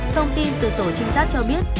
thông tin từ tổ trinh sát cho biết